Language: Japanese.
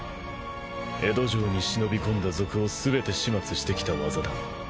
江戸城に忍び込んだ賊を全て始末してきた技だ。